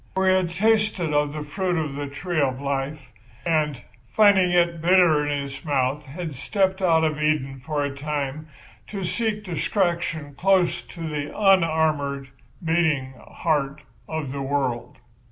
For he had tasted of the fruit of the tree of life, and, finding it bitter in his mouth, had stepped out of Eden for a time to seek distraction close to the unarmoured, beating heart of the world.